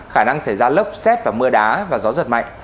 khả năng xảy ra lốc xét và mưa đá và gió giật mạnh